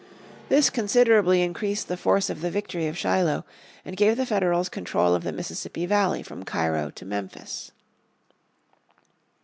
This considerably increased the force of the victory of Shiloh, and gave the Federals control of the Mississippi Valley from Cairo to Memphis.